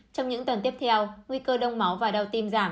trong những tuần tiếp theo nguy cơ đông máu và đau tim giảm